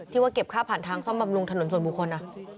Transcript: ว่าเก็บค่าผ่านทางซ่อมบำรุงถนนส่วนบุคคล